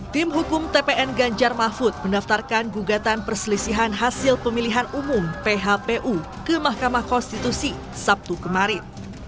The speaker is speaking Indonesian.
tim hukum tpn ganjar mahfud mendaftarkan gugatan perselisihan hasil pemilihan umum phpu ke mahkamah konstitusi sabtu kemarin